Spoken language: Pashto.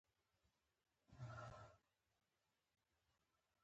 افغانستان د انګورو په اړه مشهور تاریخي روایتونه لري.